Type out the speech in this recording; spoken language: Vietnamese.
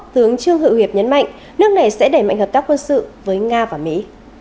tướng trương hữu hiệp nhấn mạnh nước này sẽ đẩy mạnh hợp tác quân sự với nga và mỹ